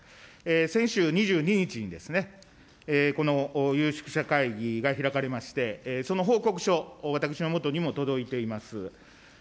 先週２２日にですね、この有識者会議が開かれまして、その報告書、私のもとにも届いています。